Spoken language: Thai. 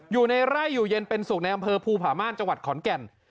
อยู่ในไร่อยู่เย็นเป็นศุกร์ในอำเภอภูผามารจขอนแก่น